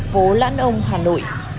phố lãn ông hà nội